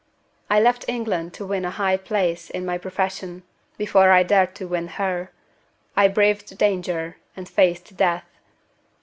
I left England to win a high place in my profession, before I dared to win her. I braved danger, and faced death.